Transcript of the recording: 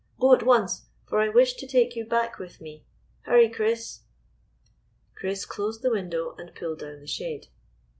Go at once, for I wish to take you back with me. Hurry, Chris." Chris closed the window and pulled down the shade.